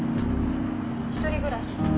一人暮らし？